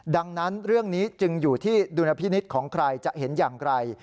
ดังนั้นเรื่องนี้จึงอยู่ที่ดุลพินิษฐ์ของใครจะเห็นอย่างไร